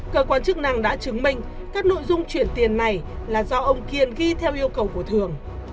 cơ quan chức năng đã chứng minh các nội dung chuyển tiền này là do ông kiên ghi theo yêu cầu của thường